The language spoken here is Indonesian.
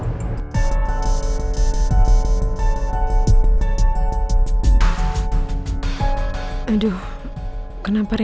aduh kenapa randy nggak sesuai rencana awal ya